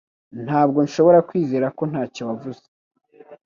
Ntabwo nshobora kwizera ko ntacyo wavuze